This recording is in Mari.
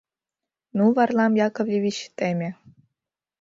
Ну, Варлам Яковлевич, теме...